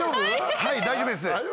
はい大丈夫です。